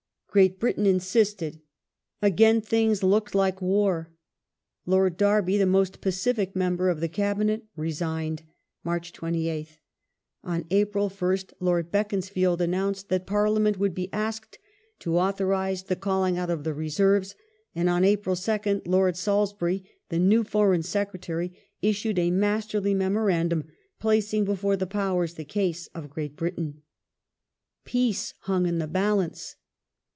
Great Britain insisted. rggLns Again things looked like war. Lord Derby, the most pacific member of the Cabinet, resigned (March 28th) ; on April 1st Lord Beaconsfield announced that Parliament would be asked to authorize the calling out of the Reserves, and on April 2nd Lord Salisbury, the new Foreign Secretary,^ issued a masterly memor andum, placing before the Powers the case of Great Britain. Peace hung in the balance.